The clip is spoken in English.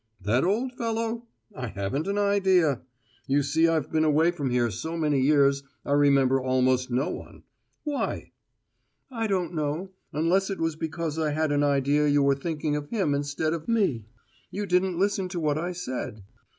"That old fellow? I haven't an idea. You see I've been away from here so many years I remember almost no one. Why?" "I don't know, unless it was because I had an idea you were thinking of him instead of me. You didn't listen to what I said."